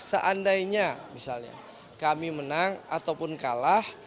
seandainya misalnya kami menang ataupun kalah